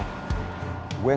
gue gak akan mau hubungin mel